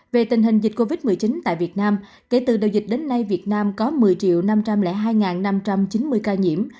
về tình hình dịch covid một mươi chín tại việt nam kể từ đầu dịch đến nay việt nam có một mươi năm trăm linh hai năm trăm chín mươi ca nhiễm